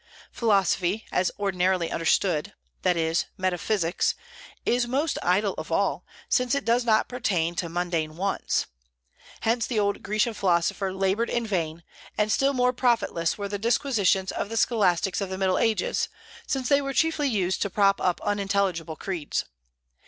Philosophy, as ordinarily understood, that is, metaphysics, is most idle of all, since it does not pertain to mundane wants. Hence the old Grecian philosopher labored in vain; and still more profitless were the disquisitions of the scholastics of the Middle Ages, since they were chiefly used to prop up unintelligible creeds.